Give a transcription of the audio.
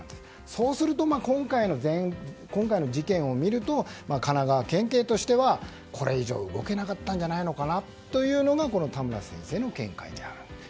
そうすると今回の事件を見ると神奈川県警としてはこれ以上動けなかったんじゃないのかなというのが田村先生の見解であると。